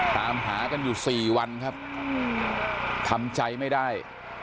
ตามหากันอยู่สี่วันครับทำใจไม่ได้